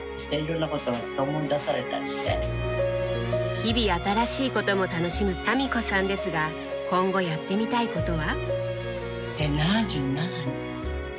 日々新しいことも楽しむ民子さんですが今後やってみたいことは？